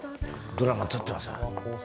ドラマ撮ってました。